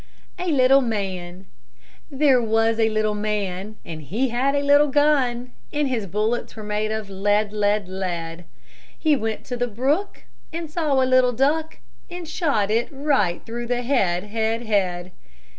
A LITTLE MAN There was a little man, and he had a little gun, And his bullets were made of lead, lead, lead; He went to the brook, and saw a little duck, And shot it right through the head, head, head.